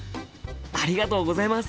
ありがとうございます！